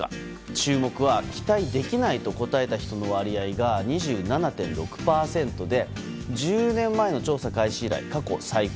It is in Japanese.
注目は期待できないと答えた人の割合が２７．６％で１０年前の調査開始以来過去最高。